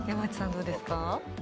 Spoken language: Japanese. どうですか？